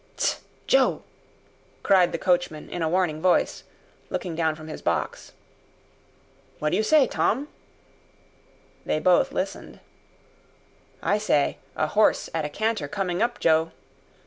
"Tst! Joe!" cried the coachman in a warning voice, looking down from his box. "What do you say, Tom?" They both listened. "I say a horse at a canter coming up, Joe."